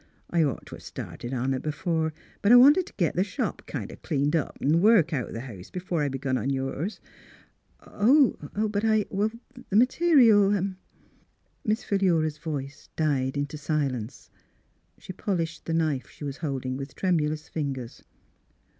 I'd ought t' have started on it b'fore; but I wanted t' git the shop kind o' cleaned up an' th' work out th' house, b'fore I begun on yours." " But I — the material —^''' Miss Fhilura's Wedding Gown Miss Philura's voice died into silence. She polished the knife she was holding with tremulous fingers.